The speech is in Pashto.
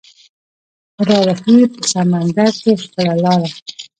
راوهي په سمندر کې خپله لاره